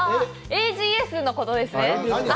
ＡＧＳのことですね？